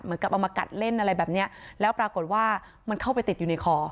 เอามากัดเล่นอะไรแบบเนี้ยแล้วปรากฏว่ามันเข้าไปติดอยู่ในคอ